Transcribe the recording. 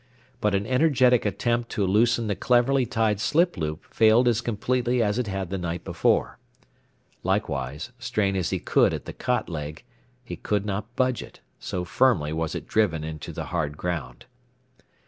But an energetic attempt to loosen the cleverly tied slip loop failed as completely as it had the night before. Likewise, strain as he could at the cot leg, he could not budge it, so firmly was it driven into the hard ground.